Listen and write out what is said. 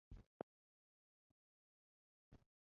分发为知县。